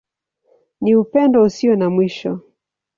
Ni Upendo Usio na Mwisho.